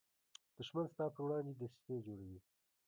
دښمن ستا پر وړاندې دسیسې جوړوي